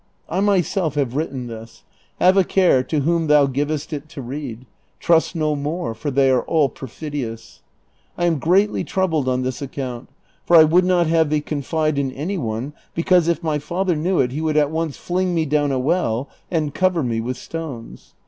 I myself have written this : have a care to whom thou givest it to read : trust no Moor, for they are all perfidious. 1 ani greatly troubled on this account, for 1 would not have thee confide in any one, because if my father knew it he would at once fling me down a well and cover me Avith stones.